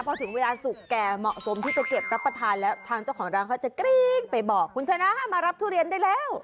พอถึงเวลาสุกแก่เหมาะสมที่จะเก็บรับประทานแล้วทางเจ้าของร้านเขาจะกริ้งไปบอกคุณชนะมารับทุเรียนได้แล้ว